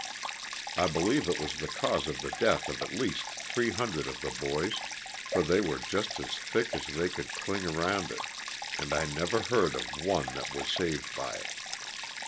I believe it was the cause of the death of at least 300 of the boys, for they were just as thick as they could cling around it and I never heard of one that was saved by it.